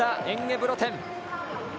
エンゲブロテン。